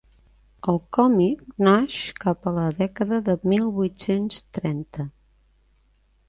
El còmic naix cap a la dècada de mil vuit-cents trenta.